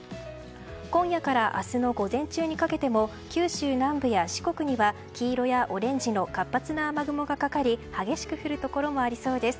今夜から明日の午前中にかけても九州南部や四国には黄色やオレンジの活発な雨雲がかかり激しく降るところもありそうです。